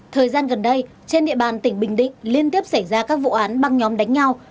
thời gian gần đây trên địa bàn tỉnh bình định liên tiếp xảy ra các vụ án băng nhóm đánh nhau